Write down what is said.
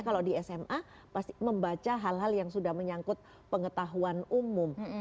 kalau di sma pasti membaca hal hal yang sudah menyangkut pengetahuan umum